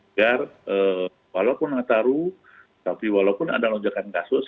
agar walaupun nataru tapi walaupun ada lonjakan kasus